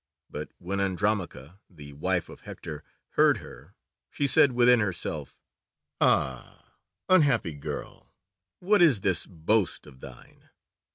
But when Andromache, the wife of Hector, heard her she said within herself, "Ah, unhappy girl, what is this boast of thine!